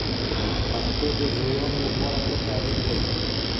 پښتو د زویانو لپاره ښه تعلیم دی.